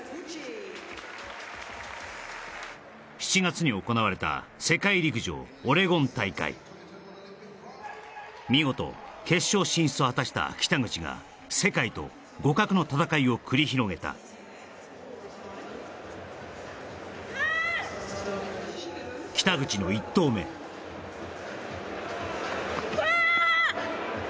７月に行われた世界陸上オレゴン大会見事決勝進出を果たした北口が世界と互角の戦いを繰り広げた北口の一投目うわっ！